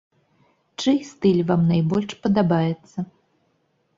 Чый стыль вам найбольш падабаецца?